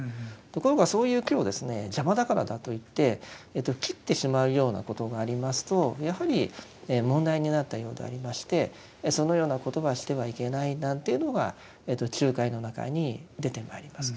ところがそういう木をですね邪魔だからだといって切ってしまうようなことがありますとやはり問題になったようでありましてそのようなことはしてはいけないなんていうのが中戒の中に出てまいります。